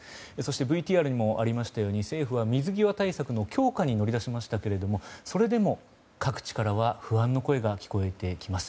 ＶＴＲにもありましたように政府は水際対策の強化に乗り出しましたけれどもそれでも、各地からは不安の声が聞こえてきます。